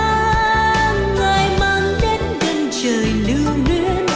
ngày mang đến đêm trời lưu nguyên